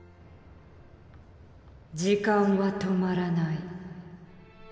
時間は止まらない。